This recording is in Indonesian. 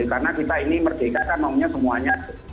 karena kita ini merdeka kan maksudnya semuanya